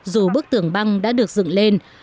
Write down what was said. dù bức tường băng đã được dựng lên